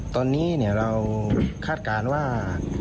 ตอนนี้เราคาดการณ์ว่า